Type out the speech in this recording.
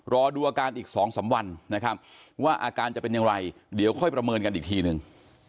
รอดูอาการอีก๒๓วันนะครับว่าอาการจะเป็นอย่างไรเดี๋ยวค่อยประเมินกันอีกทีหนึ่ง